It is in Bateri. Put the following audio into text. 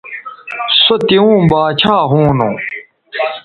سو توؤں باچھا ھونو